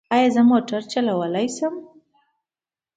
ایا زه موټر چلولی شم؟